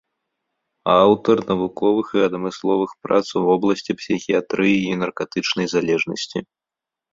Аўтар навуковых і адмысловых прац у вобласці псіхіятрыі і наркатычнай залежнасці.